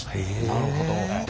なるほど。